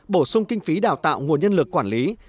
bổ sung kinh phí đào tạo nguồn nhân lực quản lý